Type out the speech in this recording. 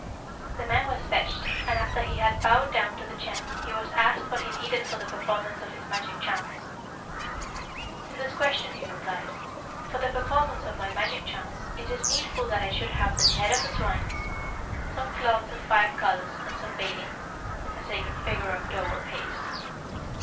"The man was fetched, and after he had bowed down to the Chan, he was asked what he needed for the performance of his magic charms. To this question he replied, 'For the performance of my magic charms, it is needful that I should have the head of a swine, some cloths of five colours, and some baling' (a sacred figure of dough or paste).